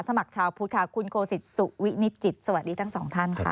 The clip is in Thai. สมัครชาวพุทธค่ะคุณโคสิตสุวินิจิตสวัสดีทั้งสองท่านค่ะ